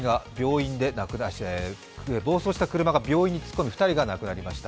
暴走した車が病院に突っ込み、２人が亡くなりました。